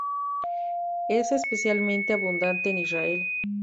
Es especialmente abundante en Israel.